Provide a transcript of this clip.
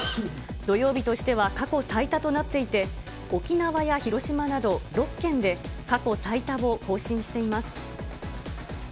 土曜日としては過去最多となっていて、沖縄や広島など６県で、過去最多を更新しています。